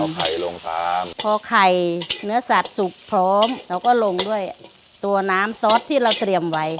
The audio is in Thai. ลงตามเอาไข่ลงตามพอไข่เนื้อสัตว์สุกพร้อมเราก็ลงด้วยตัวน้ำซอสที่เราเตรียมไว้